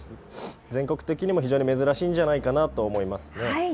全国的に非常に珍しいんじゃないかなと思います。